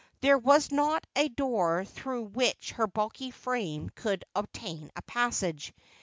There was not a door through which her bulky frame could obtain a passage.